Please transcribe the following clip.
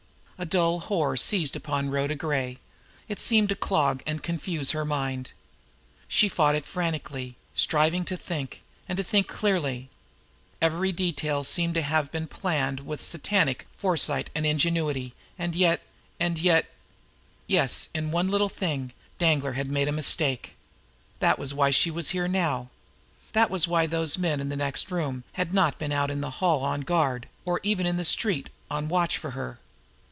A dull horror seized upon Rhoda Gray. It seemed to clog and confuse her mind. She fought it frantically, striving to think, and to think clearly. Every detail seemed to have been planned with Satanic foresight and ingenuity, and yet and yet Yes, in one little thing, Danglar had made a mistake. That was why she was here now; that was why those men in that next room had not been out in the hall on guard, or even out in the street on watch for her.